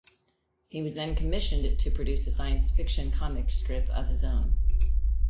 He was then commissioned to produce a science fiction comic strip of his own.